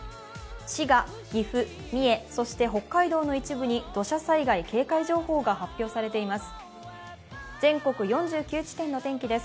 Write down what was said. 滋賀、岐阜、三重、そして北海道の一部に土砂災害警戒情報が発表されています。